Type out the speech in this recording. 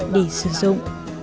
để sử dụng